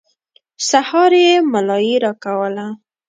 سهار يې ملايي راکوله.